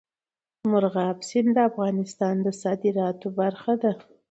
مورغاب سیند د افغانستان د صادراتو برخه ده.